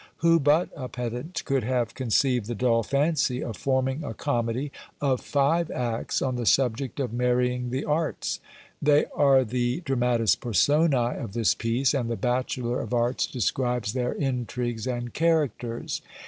Who but a pedant could have conceived the dull fancy of forming a comedy, of five acts, on the subject of marrying the Arts! They are the dramatis personÃḊ of this piece, and the bachelor of arts describes their intrigues and characters.